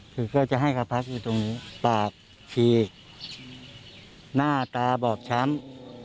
คือจะให้พักอยู่ตรงนี้ปากน่าต้าบอมช้ำ